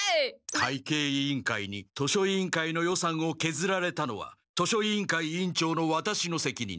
会計委員会に図書委員会の予算をけずられたのは図書委員会委員長のワタシのせきにんだ。